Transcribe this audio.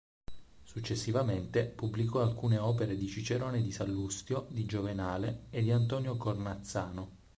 Successivamente pubblicò alcune opere di Cicerone, di Sallustio, di Giovenale e di Antonio Cornazzano.